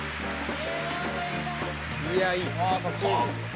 いや、いい！